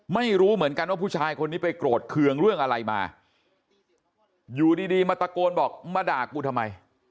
ไม่รู้เหมือนกันว่าผู้ชายคนนี้ไปโกรธเคืองเรื่องอะไรมาอยู่ดีมาตะโกนบอกมาด่ากูทำไม